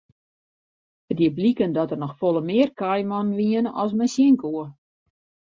It die bliken dat der noch folle mear kaaimannen wiene as men sjen koe.